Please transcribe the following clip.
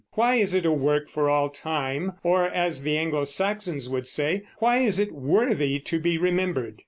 Why is it a work for all time, or, as the Anglo Saxons would say, why is it worthy to be remembered?